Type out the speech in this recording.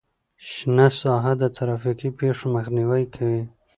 شنه ساحه د ترافیکي پیښو مخنیوی کوي